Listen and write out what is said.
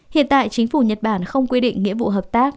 hiện tại chính phủ nhật bản không quy định nghĩa vụ hợp tác